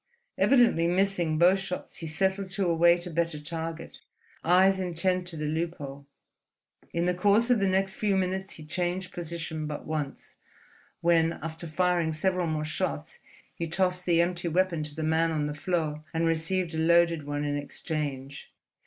Evidently missing both shots, he settled to await a better target, eyes intent to the loophole. In the course of the next few minutes he changed position but once, when, after firing several more shots, he tossed the empty weapon to the man on the floor and received a loaded one in exchange.